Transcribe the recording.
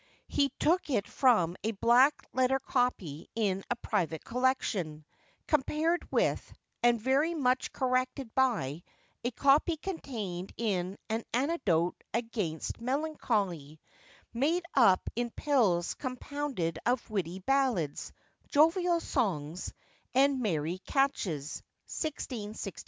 He took it from a black letter copy in a private collection, compared with, and very much corrected by, a copy contained in An Antidote against Melancholy, made up in pills compounded of witty Ballads, jovial Songs, and merry Catches, 1661.